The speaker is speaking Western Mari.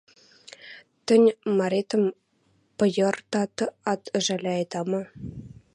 Тӹнь маретӹм пыйыртат ат ӹжӓлӓйӹ, тама...